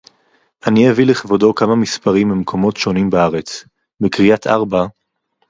אני אביא לכבודו כמה מספרים ממקומות שונים בארץ: בקריית-ארבע